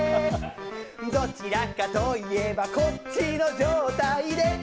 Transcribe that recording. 「どちらかといえばこっちの状態で」